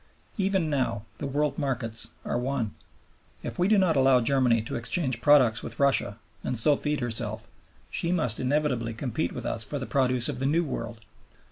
Even now, the world markets are one. If we do not allow Germany to exchange products with Russia and so feed herself, she must inevitably compete with us for the produce of the New World.